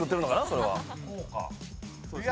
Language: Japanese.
それは。